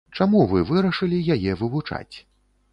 Чаму вы вырашылі яе вывучаць?